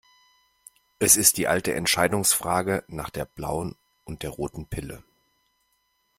Es ist die alte Entscheidungsfrage nach der blauen und der roten Pille.